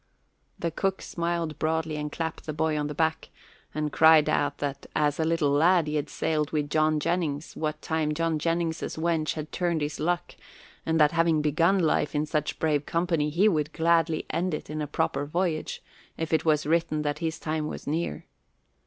The cook smiled broadly and clapped the boy on the back and cried out that as a little lad he had sailed with John Jennings what time John Jennings's wench had turned his luck, and that having begun life in such brave company, he would gladly end it in a proper voyage if it was written that his time was near.